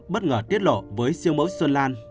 bất ngờ tiết lộ với siêu mẫu xuân lan